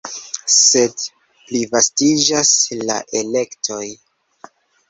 Sed plivastiĝas la elektoj.